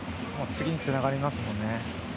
次につながりますもんね。